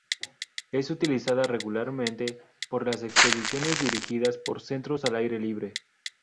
Es utilizada regularmente por las expediciones dirigidas por Centros al aire libre.